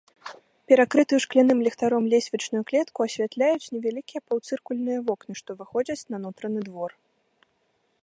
Перакрытую шкляным ліхтаром лесвічную клетку асвятляюць невялікія паўцыркульныя вокны, што выходзяць на нутраны двор.